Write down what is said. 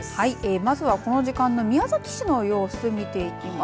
まず、この時間の宮崎市の様子を見ていきます。